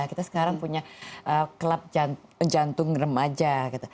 kita sekarang punya klub jantung remaja gitu